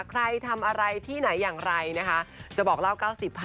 ใครทำอะไรที่ไหนอย่างไรนะฮะจะบอกเราเก้าสิบภาย